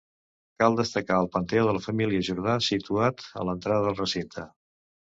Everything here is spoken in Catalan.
Cal destacar el panteó de la família Jordà, situat a l'entrada al recinte.